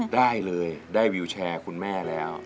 ได้เลยได้วิวแชร์คุณแม่แล้ว